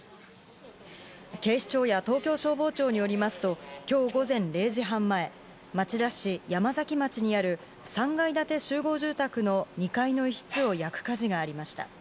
警視庁や東京消防庁によりますと、今日午前０時半前、町田市山崎町にある、３階建て集合住宅の２階の一室を焼く火事がありました。